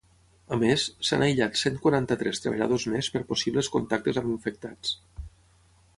A més, s’han aïllat cent quaranta-tres treballadors més per possibles contactes amb infectats.